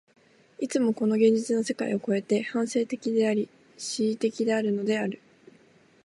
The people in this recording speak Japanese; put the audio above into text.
いつもこの現実の世界を越えて、反省的であり、思惟的であるのである。